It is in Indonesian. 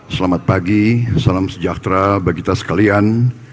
selamat pagi salam sejahtera bagi kita sekalian